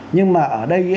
nhưng mà ở đây